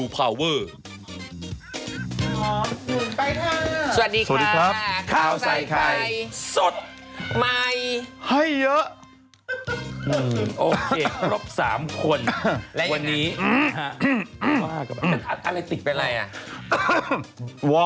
ข้าวใส่ใคร